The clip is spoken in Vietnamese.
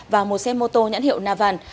và một xe mô tô nhãn hiệu navan